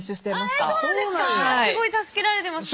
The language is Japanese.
すごい助けられてます